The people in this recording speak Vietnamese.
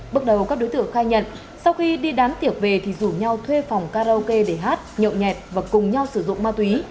bước đầu các đối tượng khai nhận sau khi đi đón tiệc về thì rủ nhau thuê phòng karaoke để hát nhậu nhẹt và cùng nhau sử dụng ma túy